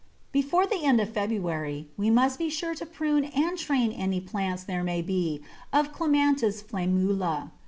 Before the end of February we must be sure to prune and train any plants there may be of Clematis flammula.